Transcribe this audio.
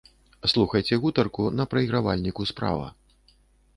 Слухайце гутарку на прайгравальніку справа.